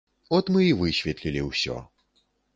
От мы і высветлілі ўсё.